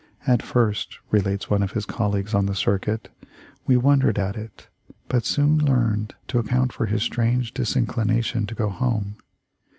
"At first," * relates one of his colleagues on the circuit, "we wondered at it, but soon learned to account for his strange disinclination to go home.